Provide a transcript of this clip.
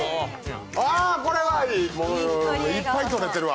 これはいい、いっぱい撮れてるわ。